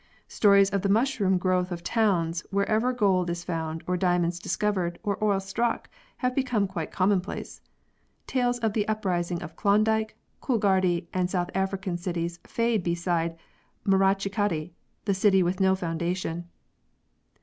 Stories of the mushroom growth of towns wherever gold is found, or diamonds discovered, or oil struck, have become quite commonplace. Tales of the uprising of Klondike, Coolgardie, and South African cities fade beside Marichchikkaddi the city with no foundation.